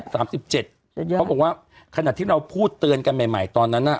ตอนนี้๓๗เขาบอกว่าขนาดที่เราพูดเตือนกันใหม่ตอนนั้นน่ะ